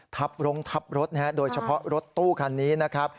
โรงทับรถนะฮะโดยเฉพาะรถตู้คันนี้นะครับ